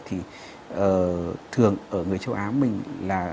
thì thường ở người châu á mình là